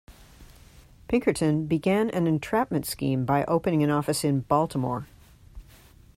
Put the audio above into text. Pinkerton began an entrapment scheme by opening an office in Baltimore.